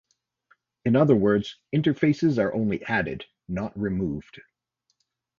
In other words, interfaces are only added, not removed.